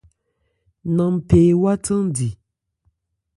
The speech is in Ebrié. Nanphé ewá thándi.